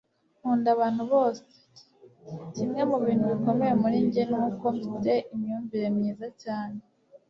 nkunda abantu bose. kimwe mu bintu bikomeye kuri njye ni uko mfite imyumvire myiza cyane